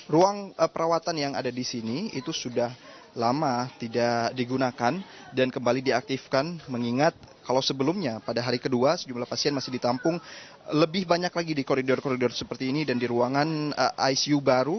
ruang perawatan yang ada di sini itu sudah lama tidak digunakan dan kembali diaktifkan mengingat kalau sebelumnya pada hari kedua sejumlah pasien masih ditampung lebih banyak lagi di koridor koridor seperti ini dan di ruangan icu baru